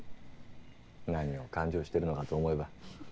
何を勘定してるのかと思えば。